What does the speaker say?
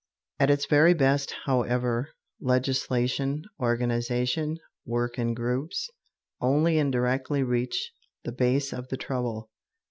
At its very best, however, legislation, organization, work in groups, only indirectly reach the base of the trouble.